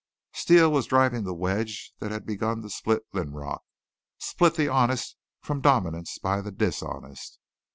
Steele was the driving wedge that had begun to split Linrock split the honest from dominance by the dishonest.